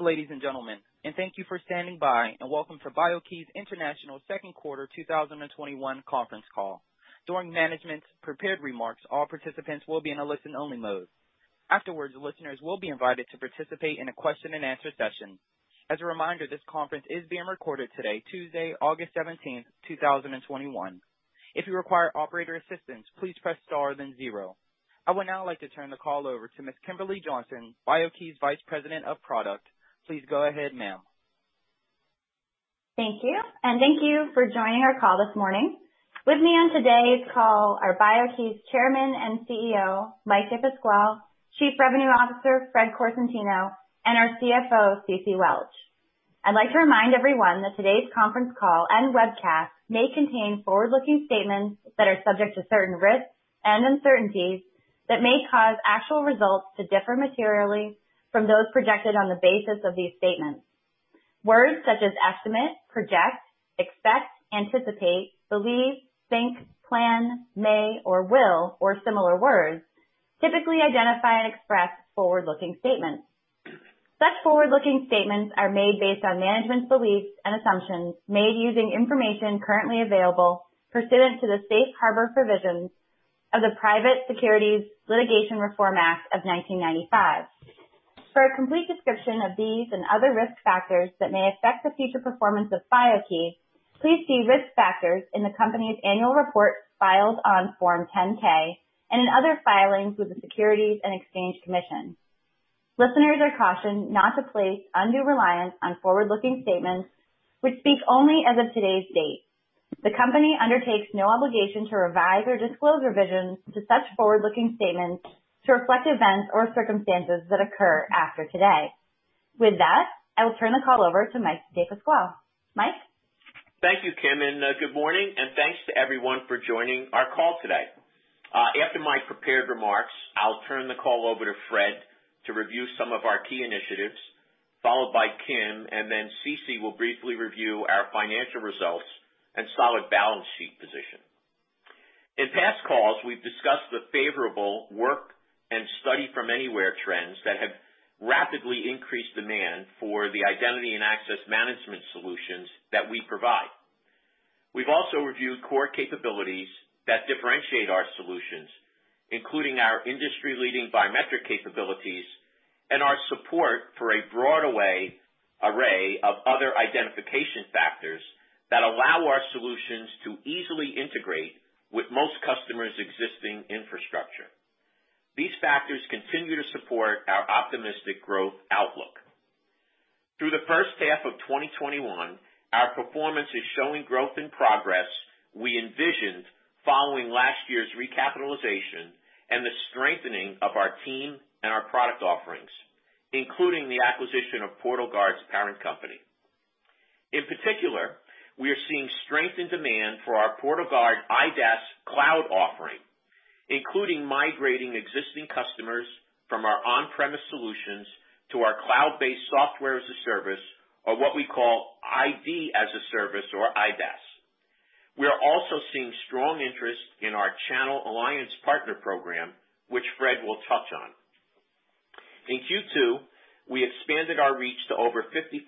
Ladies and gentlemen, thank you for standing by, and welcome for BIO-key International's second quarter 2021 conference call. During management's prepared remarks, all participants will be in a listen-only mode. Afterwards, listeners will be invited to participate in a question-and-answer session. As a reminder, this conference is being recorded today, Tuesday, August 17th, 2021. If you require operator assistance, please press star then zero. I would now like to turn the call over to Ms. Kimberly Johnson, BIO-key's Vice President of Product. Please go ahead, ma'am. Thank you, and thank you for joining our call this morning. With me on today's call are BIO-key's Chairman and CEO, Mike DePasquale, Chief Revenue Officer, Fred Corsentino, and our Chief Financial Officer, Ceci Welch. I'd like to remind everyone that today's conference call and webcast may contain forward-looking statements that are subject to certain risks and uncertainties that may cause actual results to differ materially from those projected on the basis of these statements. Words such as estimate, project, expect, anticipate, believe, think, plan, may, or will, or similar words, typically identify and express forward-looking statements. Such forward-looking statements are made based on management's beliefs and assumptions made using information currently available pursuant to the safe harbor provisions of the Private Securities Litigation Reform Act of 1995. For a complete description of these and other risk factors that may affect the future performance of BIO-key, please see risk factors in the company's annual report filed on Form 10-K and in other filings with the Securities and Exchange Commission. Listeners are cautioned not to place undue reliance on forward-looking statements which speak only as of today's date. The company undertakes no obligation to revise or disclose revisions to such forward-looking statements to reflect events or circumstances that occur after today. With that, I will turn the call over to Mike DePasquale. Mike? Thank you, Kim, good morning, and thanks to everyone for joining our call today. After my prepared remarks, I'll turn the call over to Fred to review some of our key initiatives, followed by Kim, and then Ceci will briefly review our financial results and solid balance sheet position. In past calls, we've discussed the favorable work and study-from-anywhere trends that have rapidly increased demand for the identity and access management solutions that we provide. We've also reviewed core capabilities that differentiate our solutions, including our industry-leading biometric capabilities and our support for a broad array of other identification factors that allow our solutions to easily integrate with most customers' existing infrastructure. These factors continue to support our optimistic growth outlook. Through the first half of 2021, our performance is showing growth and progress we envisioned following last year's recapitalization and the strengthening of our team and our product offerings, including the acquisition of PortalGuard's parent company. In particular, we are seeing strength in demand for our PortalGuard IDaaS cloud offering, including migrating existing customers from our on-premise solutions to our cloud-based software as a service or what we call ID as a service or IDaaS. We are also seeing strong interest in our channel alliance partner program, which Fred will touch on. In Q2, we expanded our reach to over 55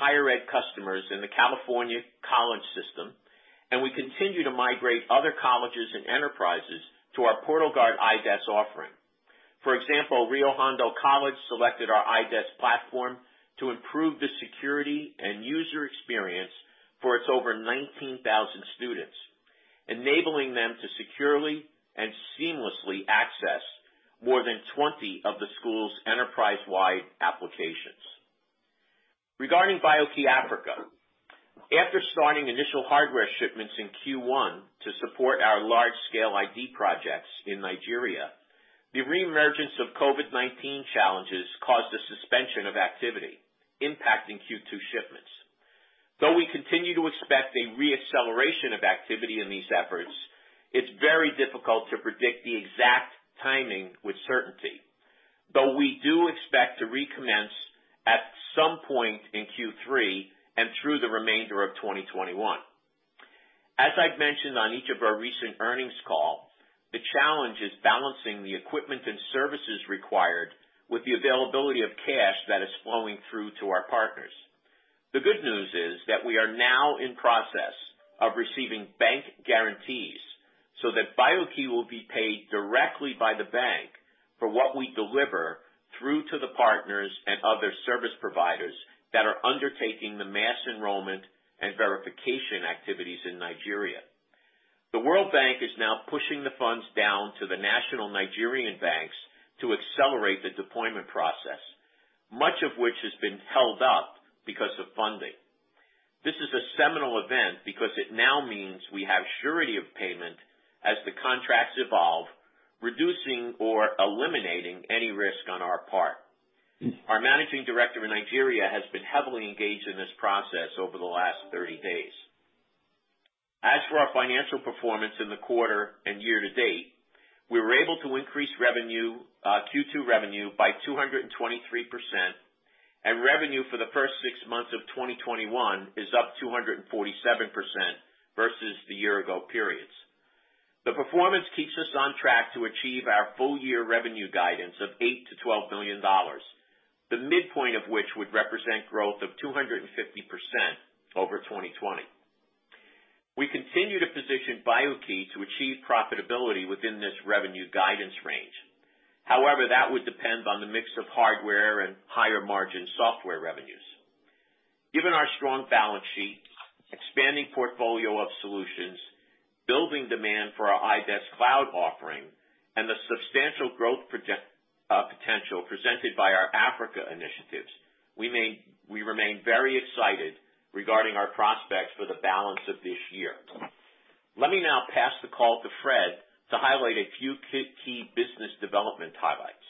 higher ed customers in the California College System, and we continue to migrate other colleges and enterprises to our PortalGuard IDaaS offering. For example, Rio Hondo College selected our IDaaS platform to improve the security and user experience for its over 19,000 students, enabling them to securely and seamlessly access more than 20 of the school's enterprise-wide applications. Regarding BIO-key Africa, after starting initial hardware shipments in Q1 to support our large-scale ID projects in Nigeria, the reemergence of COVID-19 challenges caused a suspension of activity impacting Q2 shipments. Though we continue to expect a re-acceleration of activity in these efforts, it's very difficult to predict the exact timing with certainty. Though we do expect to recommence at some point in Q3 and through the remainder of 2021. As I've mentioned on each of our recent earnings call, the challenge is balancing the equipment and services required with the availability of cash that is flowing through to our partners. The good news is that we are now in process of receiving bank guarantees so that BIO-key will be paid directly by the bank for what we deliver through to the partners and other service providers that are undertaking the mass enrollment and verification activities in Nigeria. The World Bank is now pushing the funds down to the national Nigerian banks to accelerate the deployment process, much of which has been held up because of funding. This is a seminal event because it now means we have surety of payment as the contracts evolve, reducing or eliminating any risk on our part. Our managing director in Nigeria has been heavily engaged in this process over the last 30 days. As for our financial performance in the quarter and year-to-date, we were able to increase Q2 revenue by 223%, and revenue for the first six months of 2021 is up 247% versus the year-ago periods. The performance keeps us on track to achieve our full-year revenue guidance of $8 million-$12 million. The midpoint of which would represent growth of 250% over 2020. We continue to position BIO-key to achieve profitability within this revenue guidance range. However, that would depend on the mix of hardware and higher margin software revenues. Given our strong balance sheet, expanding portfolio of solutions, building demand for our IDaaS cloud offering, and the substantial growth potential presented by our Africa initiatives, we remain very excited regarding our prospects for the balance of this year. Let me now pass the call to Fred to highlight a few key business development highlights.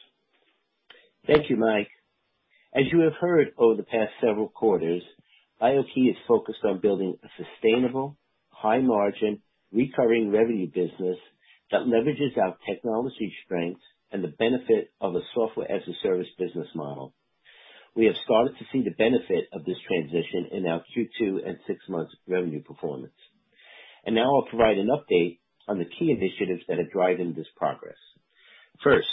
Thank you, Mike. As you have heard over the past several quarters, BIO-key is focused on building a sustainable, high margin, recurring revenue business that leverages our technology strengths and the benefit of a software-as-a-service business model. We have started to see the benefit of this transition in our Q2 and six months revenue performance. Now I'll provide an update on the key initiatives that are driving this progress. First,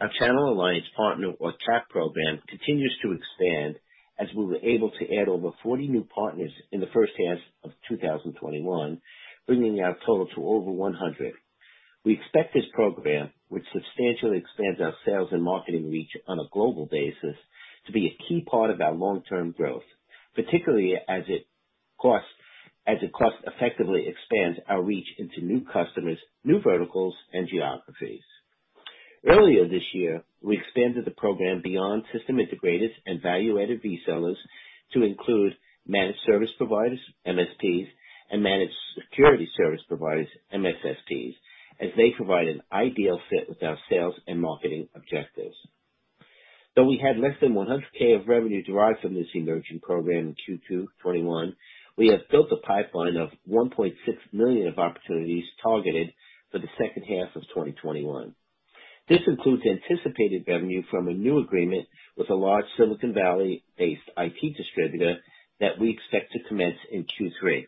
our channel alliance partner or CAP program continues to expand as we were able to add over 40 new partners in the first half of 2021, bringing our total to over 100. We expect this program, which substantially expands our sales and marketing reach on a global basis, to be a key part of our long-term growth, particularly as it cost-effectively expands our reach into new customers, new verticals, and geographies. Earlier this year, we expanded the program beyond system integrators and value-added resellers to include managed service providers, MSPs, and managed security service providers, MSSPs, as they provide an ideal fit with our sales and marketing objectives. Though we had less than $100 thousand of revenue derived from this emerging program in Q2 2021, we have built a pipeline of $1.6 million of opportunities targeted for the second half of 2021. This includes anticipated revenue from a new agreement with a large Silicon Valley-based IT distributor that we expect to commence in Q3.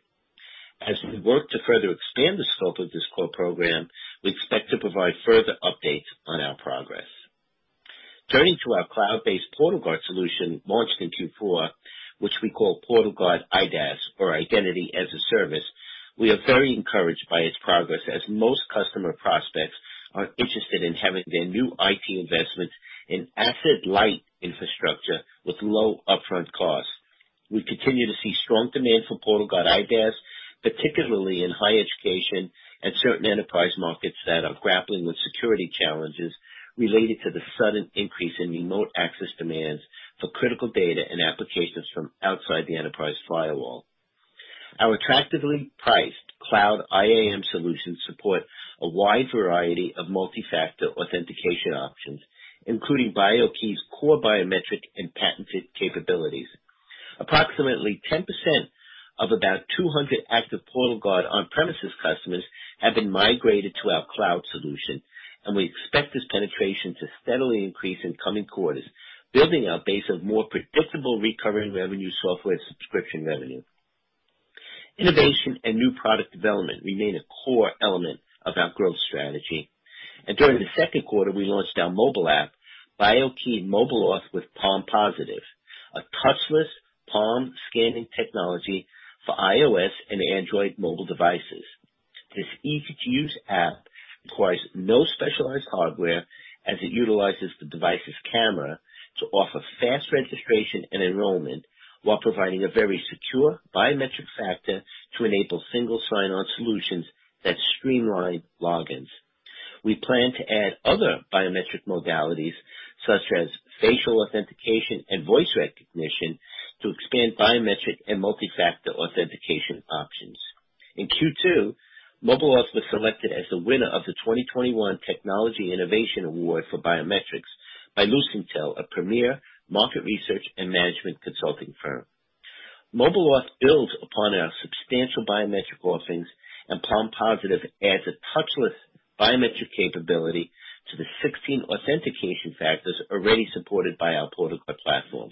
As we work to further expand the scope of this core program, we expect to provide further updates on our progress. Turning to our cloud-based PortalGuard solution launched in Q4, which we call PortalGuard IDaaS or Identity as a Service, we are very encouraged by its progress as most customer prospects are interested in having their new IT investment in asset-light infrastructure with low upfront costs. We continue to see strong demand for PortalGuard IDaaS, particularly in higher education and certain enterprise markets that are grappling with security challenges related to the sudden increase in remote access demands for critical data and applications from outside the enterprise firewall. Our attractively priced cloud IAM solution supports a wide variety of Multi-Factor Authentication options, including BIO-key's core biometric and patented capabilities. Approximately 10% of about 200 active PortalGuard on-premises customers have been migrated to our cloud solution, and we expect this penetration to steadily increase in coming quarters, building our base of more predictable recurring revenue software subscription revenue. Innovation and new product development remain a core element of our growth strategy. During the second quarter, we launched our mobile app, BIO-key MobileAuth with PalmPositive, a touchless palm scanning technology for iOS and Android mobile devices. This easy-to-use app requires no specialized hardware as it utilizes the device's camera to offer fast registration and enrollment while providing a very secure biometric factor to enable Single Sign-On solutions that streamline logins. We plan to add other biometric modalities such as facial authentication and voice recognition, to expand biometric and Multi-Factor Authentication options. In Q2, MobileAuth was selected as the winner of the 2021 Technology Innovation Award for Biometrics by Lucintel, a premier market research and management consulting firm. MobileAuth builds upon our substantial biometric offerings. PalmPositive adds a touchless biometric capability to the 16 authentication factors already supported by our PortalGuard platform.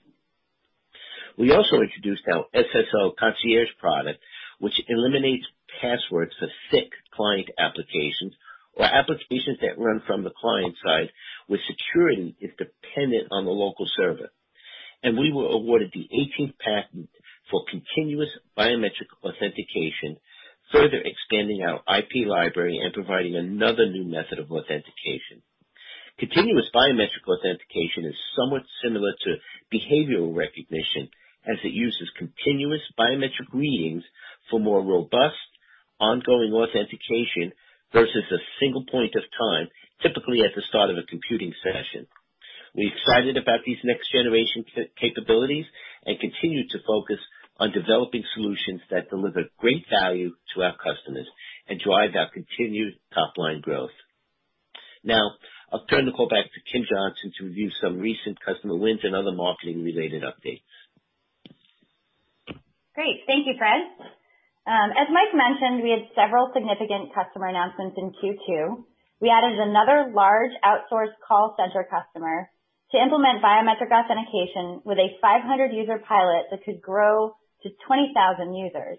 We also introduced our SSO Concierge product, which eliminates passwords for thick client applications or applications that run from the client side where security is dependent on the local server. We were awarded the 18th patent for continuous biometric authentication, further expanding our IP library and providing another new method of authentication. Continuous biometric authentication is somewhat similar to behavioral recognition as it uses continuous biometric readings for more robust ongoing authentication versus a single point of time, typically at the start of a computing session. We're excited about these next-generation capabilities and continue to focus on developing solutions that deliver great value to our customers and drive our continued top-line growth. I'll turn the call back to Kim Johnson to review some recent customer wins and other marketing-related updates. Great. Thank you, Fred. As Mike mentioned, we had several significant customer announcements in Q2. We added another large outsourced call center customer to implement biometric authentication with a 500-user pilot that could grow to 20,000 users.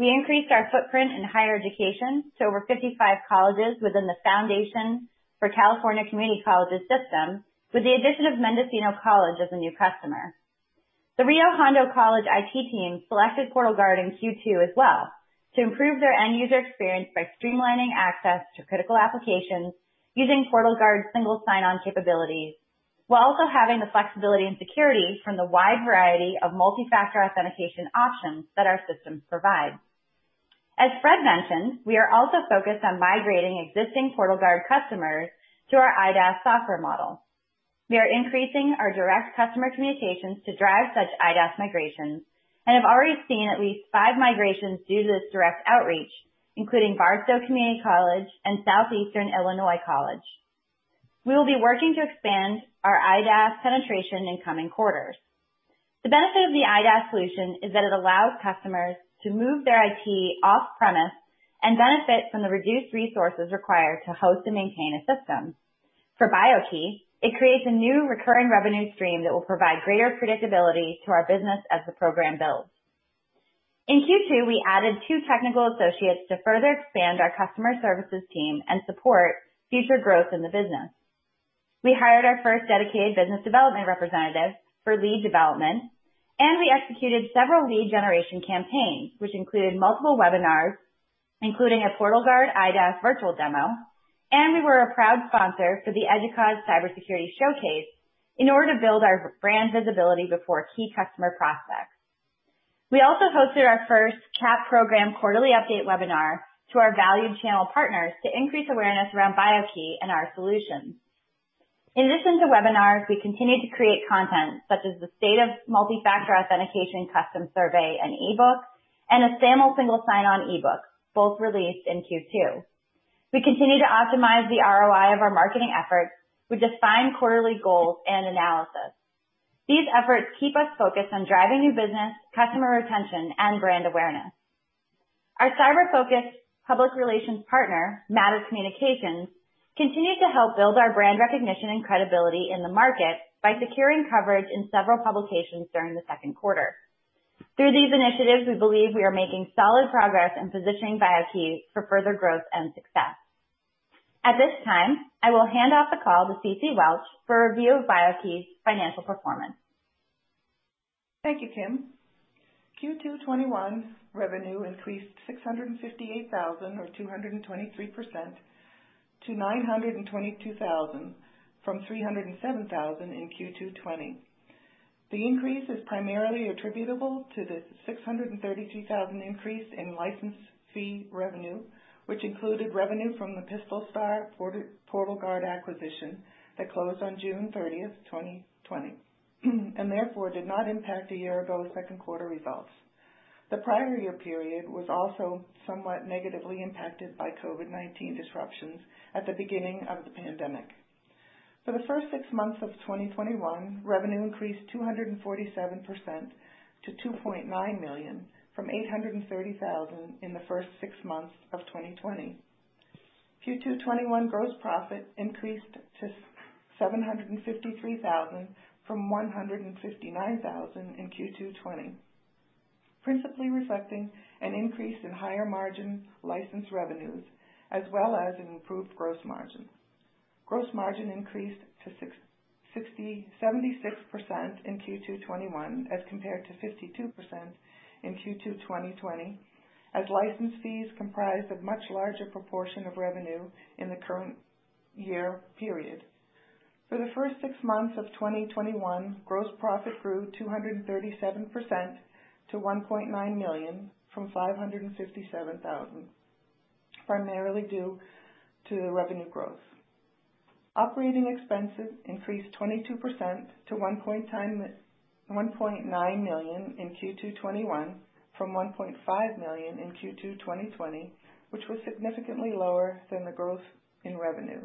We increased our footprint in higher education to over 55 colleges within the Foundation for California Community Colleges system with the addition of Mendocino College as a new customer. The Rio Hondo College IT team selected PortalGuard in Q2 as well to improve their end-user experience by streamlining access to critical applications using PortalGuard's Single Sign-On capabilities, while also having the flexibility and security from the wide variety of Multi-Factor Authentication options that our systems provide. As Fred mentioned, we are also focused on migrating existing PortalGuard customers to our IDaaS software model. We are increasing our direct customer communications to drive such IDaaS migrations and have already seen at least five migrations due to this direct outreach, including Barstow Community College and Southeastern Illinois College. We will be working to expand our IDaaS penetration in coming quarters. The benefit of the IDaaS solution is that it allows customers to move their IT off-premise and benefit from the reduced resources required to host and maintain a system. For BIO-key, it creates a new recurring revenue stream that will provide greater predictability to our business as the program builds. In Q2, we added two technical associates to further expand our customer services team and support future growth in the business. We hired our first dedicated business development representative for lead development, and we executed several lead generation campaigns, which included multiple webinars, including a PortalGuard IDaaS virtual demo, and we were a proud sponsor for the EDUCAUSE Cybersecurity Showcase in order to build our brand visibility before key customer prospects. We also hosted our first CAP program quarterly update webinar to our valued channel partners to increase awareness around BIO-key and our solutions. In addition to webinars, we continued to create content such as the State of Multi-Factor Authentication custom survey and e-book, and a SAML Single Sign-On e-book, both released in Q2. We continue to optimize the ROI of our marketing efforts with defined quarterly goals and analysis. These efforts keep us focused on driving new business, customer retention, and brand awareness. Our cyber-focused public relations partner, Matter Communications, continued to help build our brand recognition and credibility in the market by securing coverage in several publications during the second quarter. Through these initiatives, we believe we are making solid progress in positioning BIO-key for further growth and success. At this time, I will hand off the call to Ceci Welch for a review of BIO-key's financial performance. Thank you, Kim. Q2 2021 revenue increased $658,000 or 223% to $922,000 from $307,000 in Q2 2020. The increase is primarily attributable to the $632,000 increase in license fee revenue, which included revenue from the PistolStar PortalGuard acquisition that closed on June 30, 2020, and therefore did not impact the year-ago second quarter results. The prior year period was also somewhat negatively impacted by COVID-19 disruptions at the beginning of the pandemic. For the first six months of 2021, revenue increased 247% to $2.9 million from $830,000 in the first six months of 2020. Q2 2021 gross profit increased to $753,000 from $159,000 in Q2 2020, principally reflecting an increase in higher margin license revenues as well as an improved gross margin. Gross margin increased to 76% in Q2 2021 as compared to 52% in Q2 2020 as license fees comprised a much larger proportion of revenue in the current year period. For the first six months of 2021, gross profit grew 237% to $1.9 million from $557,000, primarily due to revenue growth. Operating expenses increased 22% to $1.9 million in Q2 2021 from $1.5 million in Q2 2020, which was significantly lower than the growth in revenue.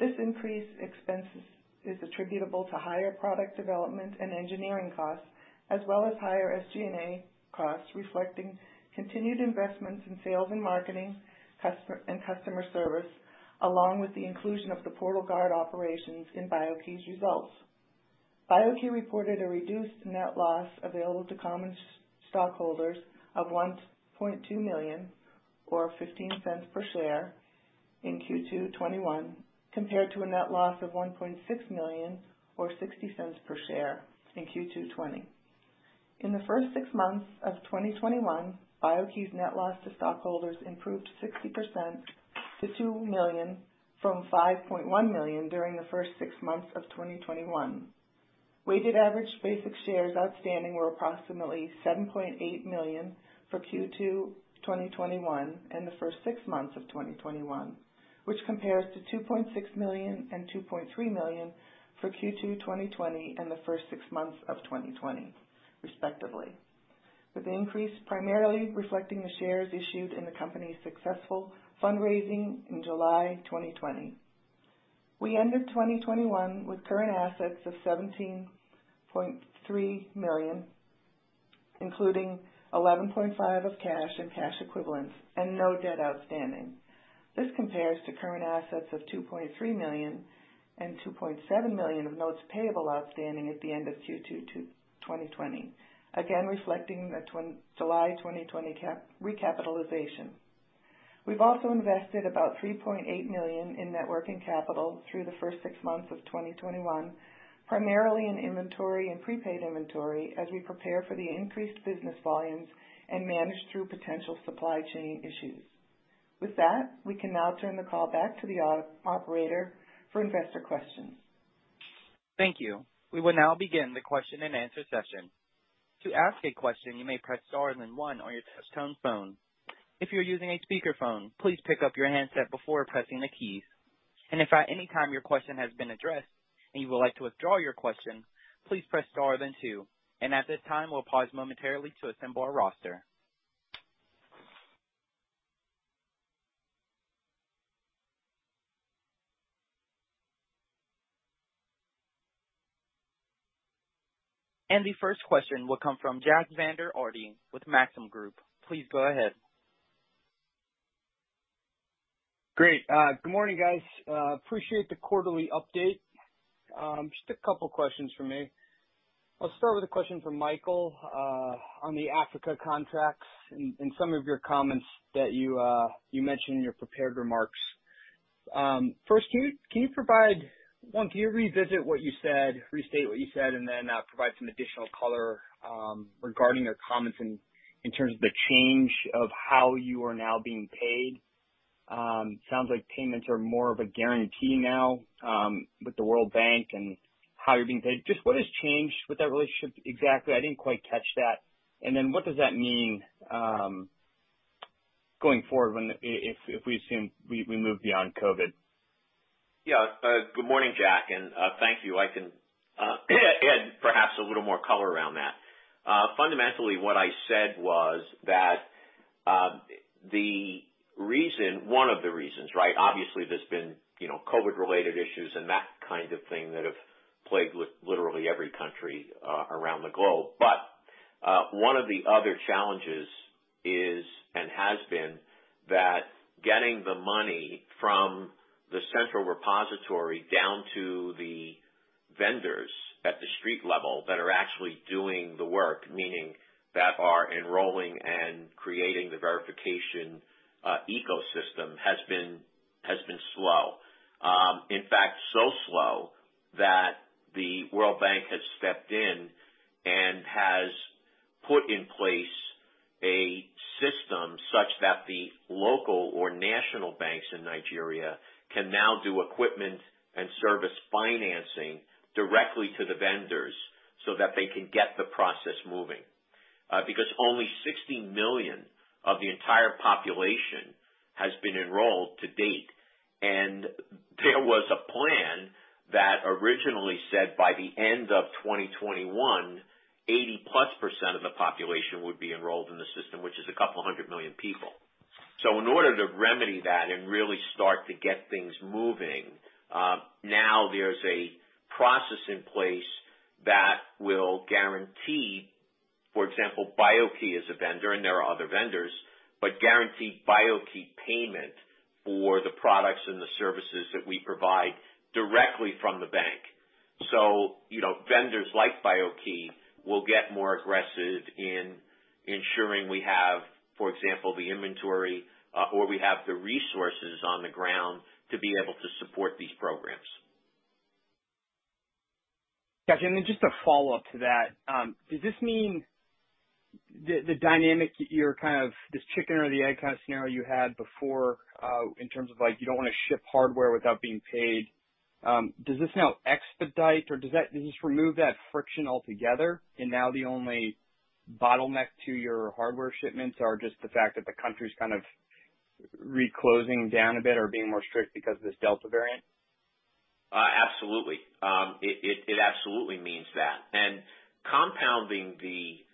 This increase in expenses is attributable to higher product development and engineering costs, as well as higher SG&A costs, reflecting continued investments in sales and marketing and customer service, along with the inclusion of the PortalGuard operations in BIO-key's results. BIO-key reported a reduced net loss available to common stockholders of $1.2 million or $0.15 per share in Q2 2021, compared to a net loss of $1.6 million or $0.60 per share in Q2 2020. In the first six months of 2021, BIO-key's net loss to stockholders improved 60% to $2 million from $5.1 million during the first six months of 2021. Weighted average basic shares outstanding were approximately 7.8 million for Q2 2021 and the first six months of 2021, which compares to 2.6 million and 2.3 million for Q2 2020 and the first six months of 2020, respectively, with the increase primarily reflecting the shares issued in the company's successful fundraising in July 2020. We ended 2021 with current assets of $17.3 million, including $11.5 million of cash and cash equivalents, and no debt outstanding. This compares to current assets of $2.3 million and $2.7 million of notes payable outstanding at the end of Q2 2020. Reflecting the July 2020 recapitalization. We've also invested about $3.8 million in net working capital through the first six months of 2021, primarily in inventory and prepaid inventory as we prepare for the increased business volumes and manage through potential supply chain issues. With that, we can now turn the call back to the operator for investor questions. Thank you. We will now begin the question-and-answer session. To ask a question you may press star then one on your touchtone phone. If you're using a speaker phone please pick-up your handset before pressing the keys. And if anytime your question has been addressed, and you would like to withdraw your question please press star then two. And at this time we will pause momentarily to assemble our roster. The first question will come from Jack Vander Aarde with Maxim Group. Please go ahead. Great. Good morning, guys. Appreciate the quarterly update. Just a couple questions from me. I'll start with a question for Michael on the Africa contracts and some of your comments that you mentioned in your prepared remarks. First, can you revisit what you said, restate what you said, and then provide some additional color regarding the comments in terms of the change of how you are now being paid? Sounds like payments are more of a guarantee now with the World Bank and how you're being paid. Just what has changed with that relationship exactly? I didn't quite catch that. What does that mean going forward if we move beyond COVID? Yeah. Good morning, Jack, and thank you. I can add perhaps a little more color around that. Fundamentally, what I said was that one of the reasons, right? Obviously, there's been COVID-related issues and that kind of thing that have plagued literally every country around the globe. One of the other challenges is, and has been, that getting the money from the central repository down to the vendors at the street level that are actually doing the work, meaning that are enrolling and creating the verification ecosystem, has been slow. In fact, so slow that the World Bank has stepped in and has put in place a system such that the local or national banks in Nigeria can now do equipment and service financing directly to the vendors so that they can get the process moving. Only 16 million of the entire population has been enrolled to date. There was a plan that originally said by the end of 2021, 80%+ of the population would be enrolled in the system, which is 200 million people. In order to remedy that and really start to get things moving, now there's a process in place that will guarantee, for example, BIO-key is a vendor, and there are other vendors, but guarantee BIO-key payment for the products and the services that we provide directly from the bank. Vendors like BIO-key will get more aggressive in ensuring we have, for example, the inventory or we have the resources on the ground to be able to support these programs. Got you. Just a follow-up to that. Does this mean the dynamic, this chicken or the egg scenario you had before in terms of you don't want to ship hardware without being paid. Does this now expedite or does this remove that friction altogether? The only bottleneck to your hardware shipments are just the fact that the country's reclosing down a bit or being more strict because of this Delta variant? Absolutely. It absolutely means that. Compounding the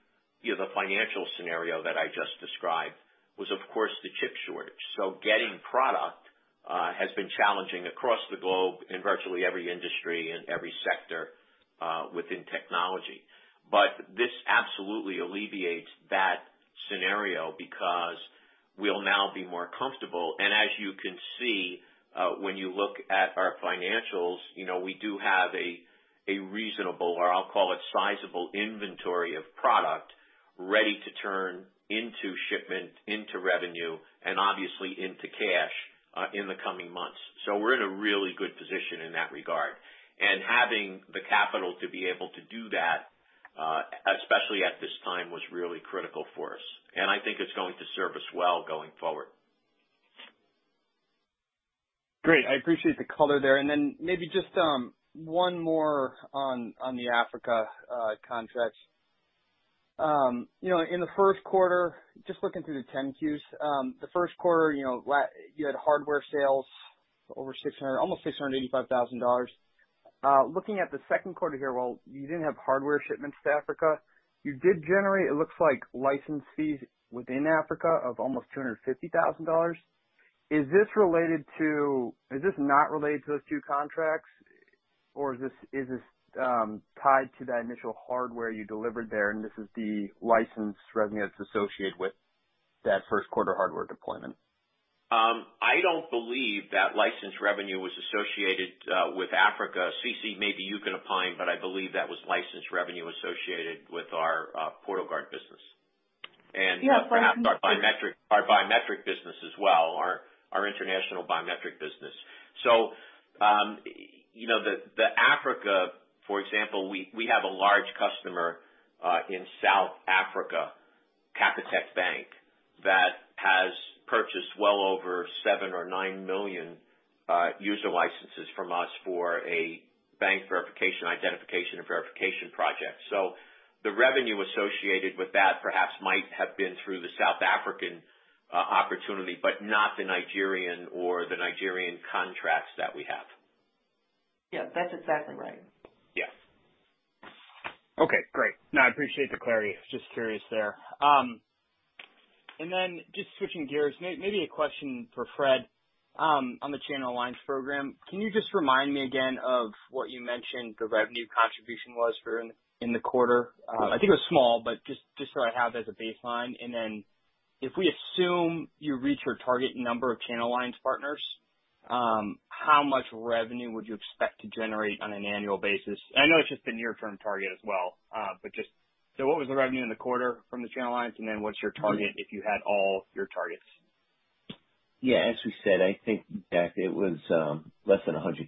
financial scenario that I just described was, of course, the chip shortage. Getting product has been challenging across the globe in virtually every industry and every sector within technology. This absolutely alleviates that scenario because we'll now be more comfortable. As you can see when you look at our financials, we do have a reasonable, or I'll call it sizable, inventory of product ready to turn into shipment, into revenue, and obviously into cash in the coming months. We're in a really good position in that regard. Having the capital to be able to do that, especially at this time, was really critical for us. I think it's going to serve us well going forward. Great. I appreciate the color there. Maybe just one more on the Africa contracts. In the first quarter, just looking through the 10-Qs. The first quarter, you had hardware sales almost $685,000. Looking at the second quarter here, while you didn't have hardware shipments to Africa, you did generate, it looks like license fees within Africa of almost $250,000. Is this not related to those two contracts? Or is this tied to that initial hardware you delivered there, and this is the license revenue that's associated with that first quarter hardware deployment? I don't believe that license revenue was associated with Africa. Ceci, maybe you can opine, but I believe that was license revenue associated with our PortalGuard business. Yeah. Perhaps our biometric business as well, our international biometric business. BIO-key Africa, for example, we have a large customer, in South Africa, Capitec Bank, that has purchased well over 7 million or 9 million user licenses from us for a bank verification identification and verification project. The revenue associated with that perhaps might have been through the South African opportunity, but not the Nigerian or the Nigerian contracts that we have. Yeah, that's exactly right. Yes. Okay, great. No, I appreciate the clarity. Just curious there. Just switching gears, maybe a question for Fred, on the Channel Alliance Program. Can you just remind me again of what you mentioned the revenue contribution was in the quarter? I think it was small, but just so I have it as a baseline. If we assume you reach your target number of Channel Alliance partners, how much revenue would you expect to generate on an annual basis? I know it's just the near term target as well. What was the revenue in the quarter from the Channel Alliance, what's your target if you had all your targets? Yeah. As we said, I think, Jack, it was less than $100,000,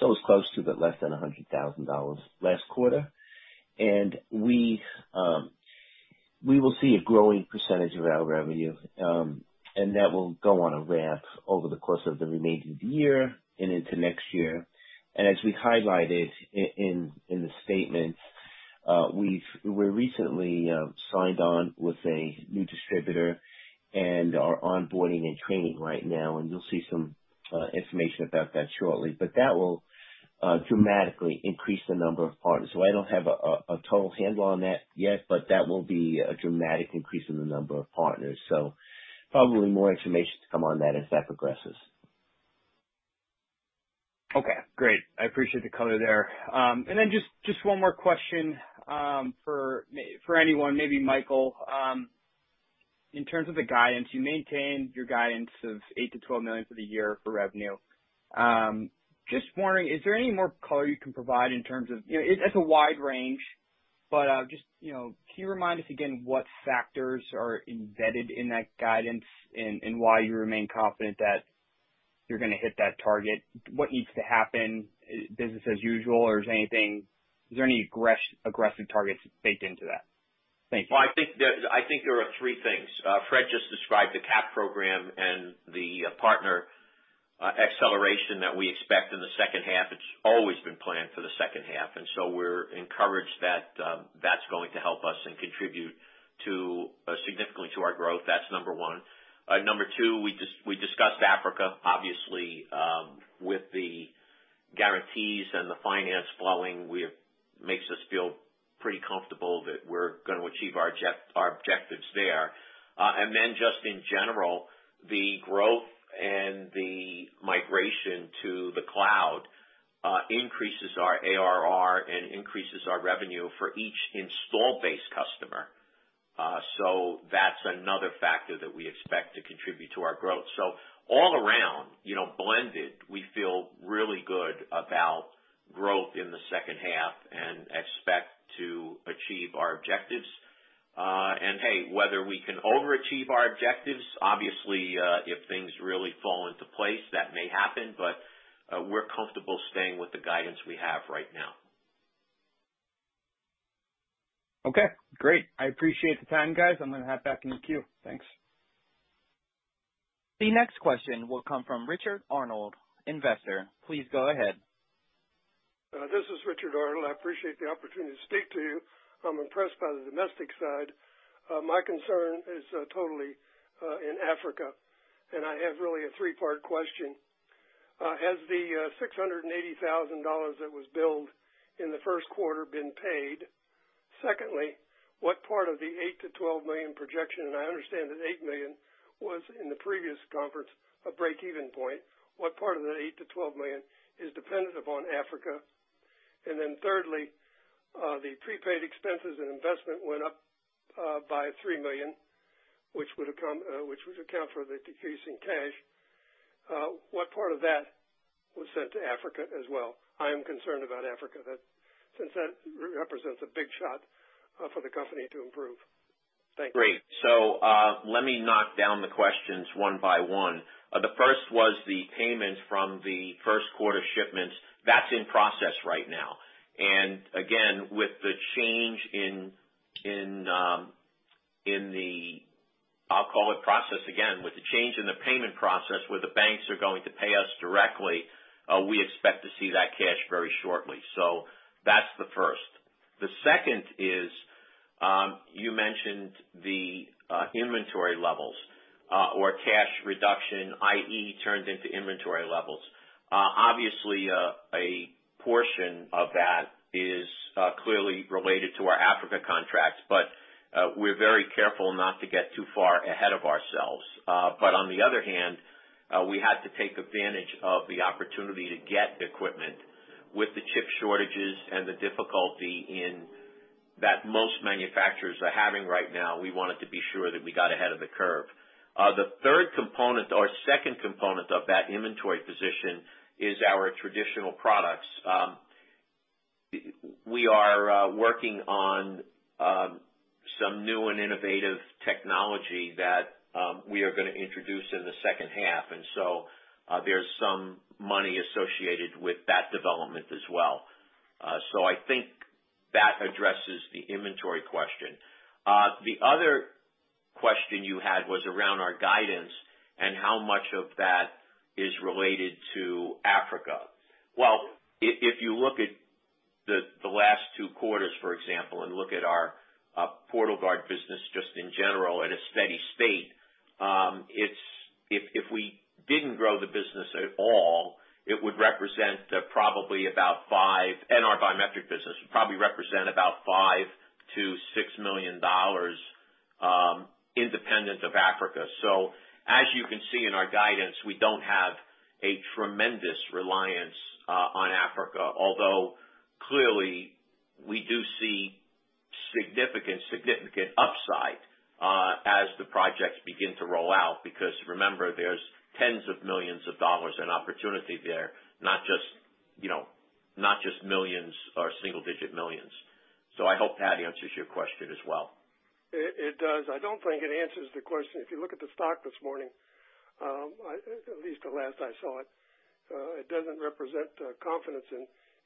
so it was close to but less than $100,000 last quarter. We will see a growing percentage of our revenue, and that will go on a ramp over the course of the remainder of the year and into next year. As we highlighted in the statement, we recently signed on with a new distributor and are onboarding and training right now. You'll see some information about that shortly. That will dramatically increase the number of partners. I don't have a total handle on that yet, but that will be a dramatic increase in the number of partners. Probably more information to come on that as that progresses. Okay, great. I appreciate the color there. Just one more question, for anyone, maybe Mike. In terms of the guidance, you maintained your guidance of $8 million-$12 million for the year for revenue. Just wondering, is there any more color you can provide? It's a wide range, but just can you remind us again what factors are embedded in that guidance and why you remain confident that you're going to hit that target? What needs to happen, business as usual, or is there any aggressive targets baked into that? Thank you. Well, I think there are three things. Fred just described the CAP program and the partner acceleration that we expect in the second half. It's always been planned for the second half, and so we're encouraged that's going to help us and contribute significantly to our growth. That's number one. Number two, we discussed Africa. Obviously, with the guarantees and the finance flowing, makes us feel pretty comfortable that we're going to achieve our objectives there. Just in general, the growth and the migration to the cloud increases our ARR and increases our revenue for each installed base customer. That's another factor that we expect to contribute to our growth. All around, blended, we feel really good about growth in the second half and expect to achieve our objectives. Hey, whether we can overachieve our objectives, obviously, if things really fall into place, that may happen, but we're comfortable staying with the guidance we have right now. Okay, great. I appreciate the time, guys. I'm going to hop back in the queue. Thanks. The next question will come from Richard Arnold, investor. Please go ahead. This is Richard Arnold. I appreciate the opportunity to speak to you. I'm impressed by the domestic side. My concern is totally in Africa. I have really a three-part question. Has the $680,000 that was billed in the first quarter been paid? Secondly, what part of the $8 million-$12 million projection, and I understand that $8 million was in the previous conference, a breakeven point. What part of the $8 million-$12 million is dependent upon Africa? Then thirdly, the prepaid expenses and investment went up by $3 million, which would account for the decrease in cash. What part of that was sent to Africa as well? I am concerned about Africa, since that represents a big shot for the company to improve. Thank you. Great. Let me knock down the questions one by one. The first was the payment from the first quarter shipments. That's in process right now. Again, with the change in the payment process where the banks are going to pay us directly, we expect to see that cash very shortly. That's the first. The second is, you mentioned the inventory levels, or cash reduction, i.e., turned into inventory levels. Obviously, a portion of that is clearly related to our Africa contracts. We're very careful not to get too far ahead of ourselves. On the other hand, we had to take advantage of the opportunity to get equipment with the chip shortages and the difficulty in that most manufacturers are having right now. We wanted to be sure that we got ahead of the curve. The third component, or second component of that inventory position is our traditional products. We are working on some new and innovative technology that we are going to introduce in the second half, and so there is some money associated with that development as well. I think that addresses the inventory question. The other question you had was around our guidance and how much of that is related to Africa. Well, if you look at the last 2 quarters, for example, and look at our PortalGuard business just in general at a steady state, if we didn't grow the business at all, it would represent probably about $5. Our biometric business would probably represent about $5 million-$6 million, independent of Africa. As you can see in our guidance, we don't have a tremendous reliance on Africa, although clearly we do see significant upside as the projects begin to roll out. Remember, there's tens of millions of dollars in opportunity there, not just millions or single-digit millions. I hope that answers your question as well. It does. I don't think it answers the question. If you look at the stock this morning, at least the last I saw it doesn't represent confidence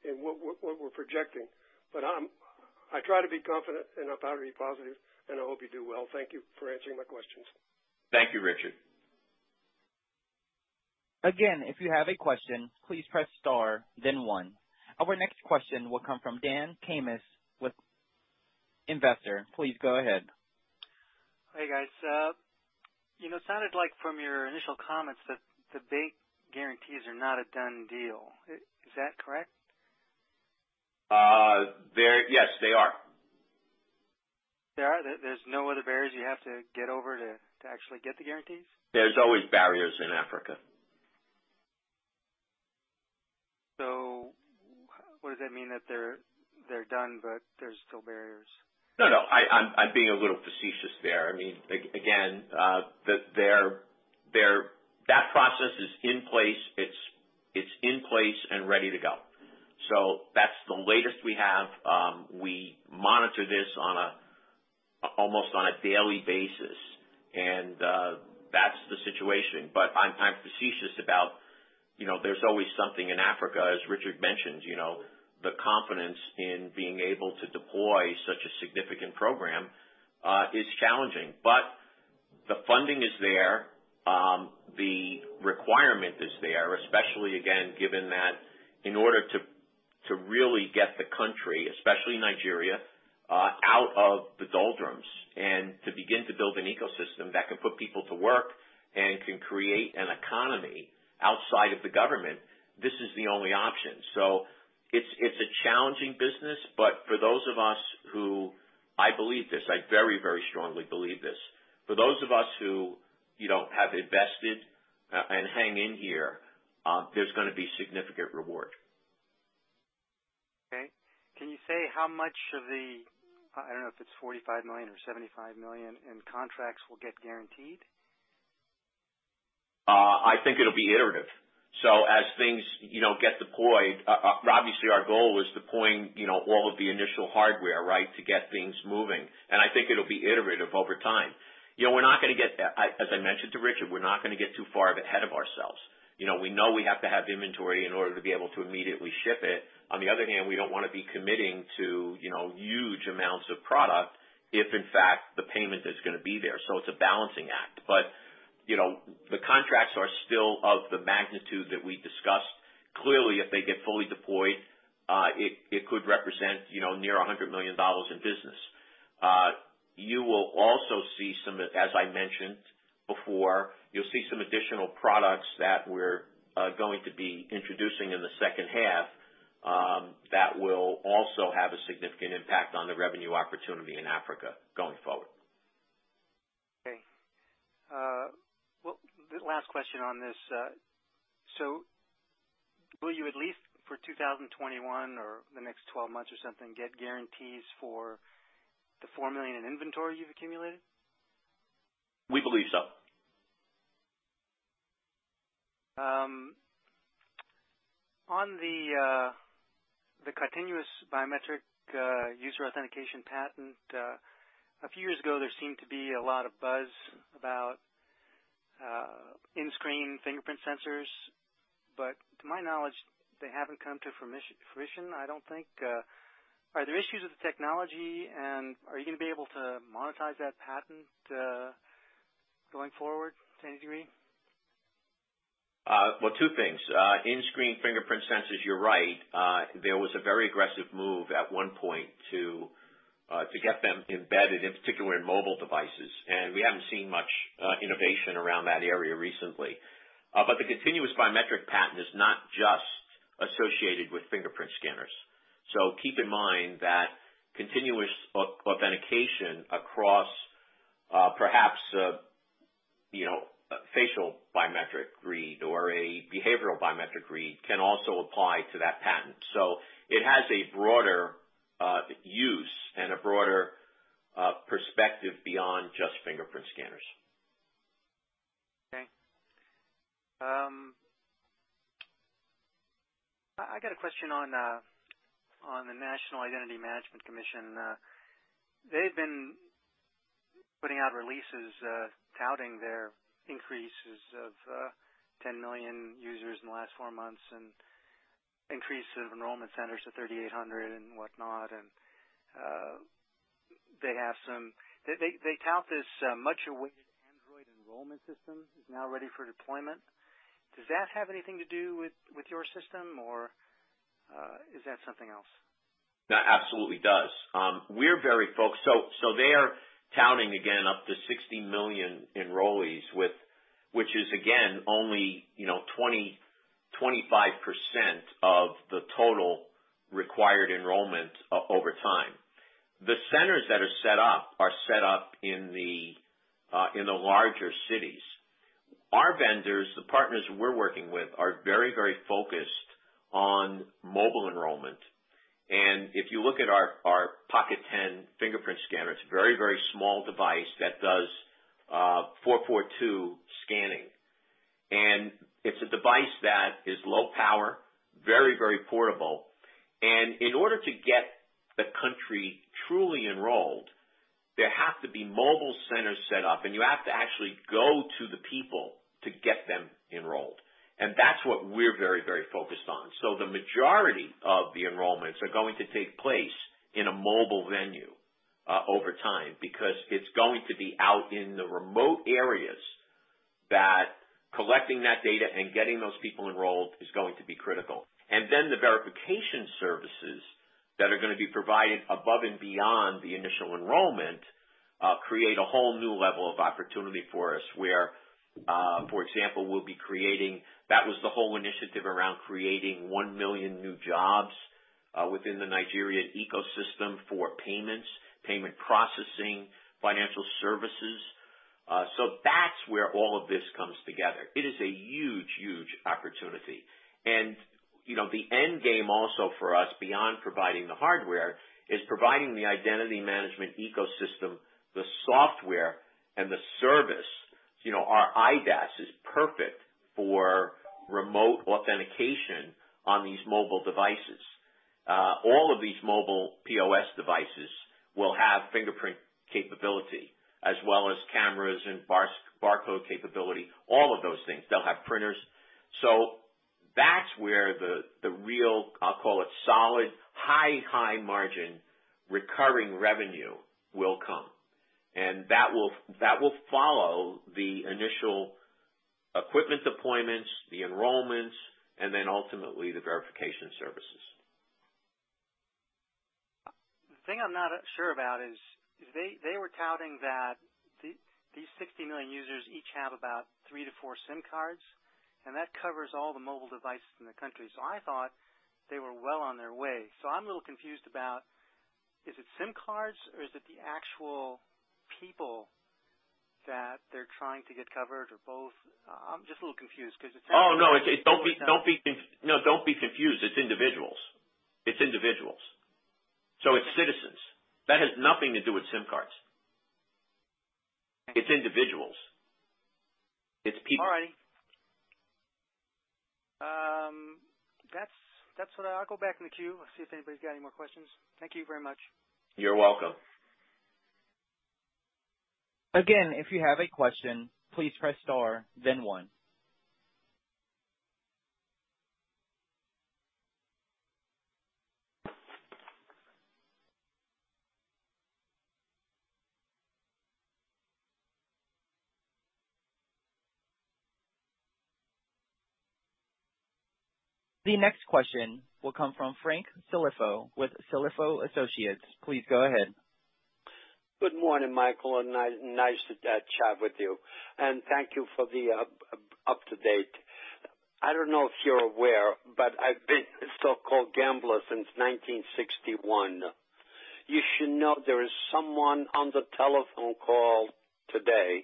in what we're projecting. I try to be confident and I try to be positive, and I hope you do well. Thank you for answering my questions. Thank you, Richard. Again, if you have a question, please press star then one. Our next question will come from Dan Kamis with Investor. Please go ahead. Hey, guys. It sounded like from your initial comments that the big guarantees are not a done deal. Is that correct? Yes, they are. They are? There's no other barriers you have to get over to actually get the guarantees? There's always barriers in Africa. What does that mean? That they're done, but there's still barriers? No, I'm being a little facetious there. Again, that process is in place. It's in place and ready to go. That's the latest we have. We monitor this almost on a daily basis. That's the situation. I'm facetious about there's always something in Africa, as Richard mentioned. The confidence in being able to deploy such a significant program is challenging. The funding is there, the requirement is there, especially, again, given that in order to really get the country, especially Nigeria, out of the doldrums and to begin to build an ecosystem that can put people to work and can create an economy outside of the government, this is the only option. It's a challenging business, but for those of us who I believe this, I very, very strongly believe this. For those of us who have invested and hang in here, there's going to be significant reward. Okay. Can you say how much of the, I don't know if it's $45 million or $75 million in contracts will get guaranteed? I think it'll be iterative. As things get deployed, obviously our goal was deploying all of the initial hardware, right? To get things moving. I think it'll be iterative over time. As I mentioned to Richard, we're not going to get too far ahead of ourselves. We know we have to have inventory in order to be able to immediately ship it. On the other hand, we don't want to be committing to huge amounts of product if, in fact, the payment is going to be there. It's a balancing act. The contracts are still of the magnitude that we discussed. Clearly, if they get fully deployed, it could represent near $100 million in business. You will also see some, as I mentioned before, you'll see some additional products that we're going to be introducing in the second half that will also have a significant impact on the revenue opportunity in Africa going forward. Okay. Last question on this. Will you, at least for 2021 or the next 12 months or something, get guarantees for the $4 million in inventory you've accumulated? We believe so. On the continuous biometric user authentication patent, a few years ago, there seemed to be a lot of buzz about in-screen fingerprint sensors. To my knowledge, they haven't come to fruition, I don't think. Are there issues with the technology, and are you going to be able to monetize that patent going forward to any degree? Well, two things. In-screen fingerprint sensors, you're right. There was a very aggressive move at one point to get them embedded, in particular in mobile devices. We haven't seen much innovation around that area recently. The continuous biometric patent is not just associated with fingerprint scanners. Keep in mind that continuous authentication across perhaps, a facial biometric read or a behavioral biometric read can also apply to that patent. It has a broader use and a broader perspective beyond just fingerprint scanners. Okay. I got a question on the National Identity Management Commission. They've been putting out releases, touting their increases of 10 million users in the last four months and increases of enrollment centers to 3,800 and whatnot. They tout this much-awaited Android enrollment system is now ready for deployment. Does that have anything to do with your system or is that something else? That absolutely does. They are touting again up to 60 million enrollees, which is again, only 25% of the total required enrollment over time. The centers that are set up are set up in the larger cities. Our vendors, the partners we're working with, are very focused on mobile enrollment. If you look at our Pocket10 fingerprint scanner, it's a very small device that does 4-4-2 scanning. It's a device that is low power, very portable. In order to get the country truly enrolled, there have to be mobile centers set up, and you have to actually go to the people to get them enrolled. That's what we're very focused on. The majority of the enrollments are going to take place in a mobile venue over time because it's going to be out in the remote areas that collecting that data and getting those people enrolled is going to be critical. The verification services that are going to be provided above and beyond the initial enrollment create a whole new level of opportunity for us where, for example, that was the whole initiative around creating one million new jobs within the Nigerian ecosystem for payments, payment processing, financial services. That's where all of this comes together. It is a huge opportunity. The end game also for us beyond providing the hardware is providing the identity management ecosystem, the software and the service. Our IDaaS is perfect for remote authentication on these mobile devices. All of these mobile POS devices will have fingerprint capability as well as cameras and barcode capability, all of those things. They'll have printers. That's where the real, I'll call it solid, high margin recurring revenue will come. That will follow the initial equipment deployments, the enrollments, and then ultimately the verification services. The thing I'm not sure about is they were touting that these 60 million users each have about three to four SIM cards, and that covers all the mobile devices in the country. I thought they were well on their way. I'm a little confused about, is it SIM cards or is it the actual people that they're trying to get covered or both? Oh, no. Don't be confused. It's individuals. It's citizens. That has nothing to do with SIM cards. Okay. It's individuals. It's people. All right. I'll go back in the queue. I'll see if anybody's got any more questions. Thank you very much. You're welcome. Again, if you have a question, please press star, then 1. The next question will come from Frank Silifau with Silifau Associates. Please go ahead. Good morning, Michael, nice to chat with you. Thank you for the up-to-date. I don't know if you're aware, I've been a so-called gambler since 1961. You should know there is someone on the telephone call today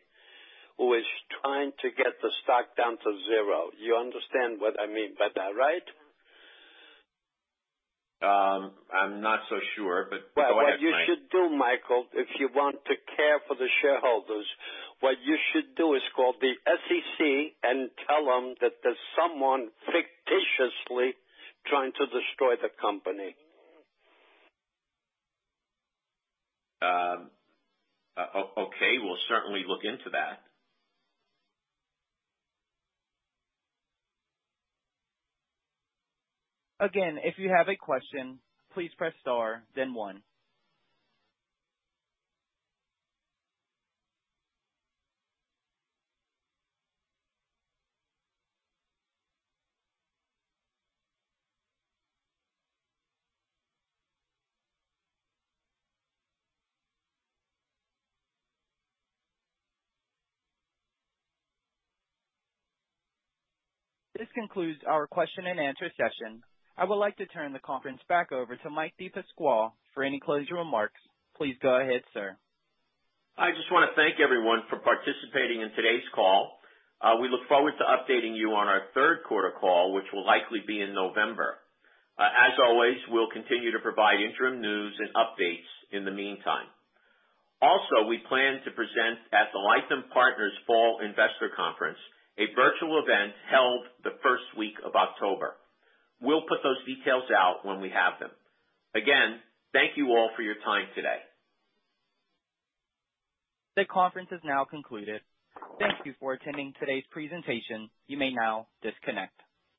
who is trying to get the stock down to zero. You understand what I mean by that, right? I'm not so sure, but go ahead, Frank. What you should do, Michael, if you want to care for the shareholders, what you should do is call the SEC and tell them that there's someone fictitiously trying to destroy the company. Okay. We'll certainly look into that. Again, if you have a question, please press star then one. This concludes our question and answer session. I would like to turn the conference back over to Mike DePasquale for any closing remarks. Please go ahead, sir. I just want to thank everyone for participating in today's call. We look forward to updating you on our 3rd quarter call, which will likely be in November. As always, we'll continue to provide interim news and updates in the meantime. Also, we plan to present at the Lytham Partners Fall Investor Conference, a virtual event held the 1st week of October. We'll put those details out when we have them. Again, thank you all for your time today. The conference is now concluded. Thank you for attending today's presentation. You may now disconnect.